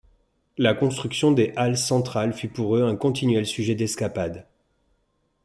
La construction des Halles centrales fut pour eux un continuel sujet d’escapades.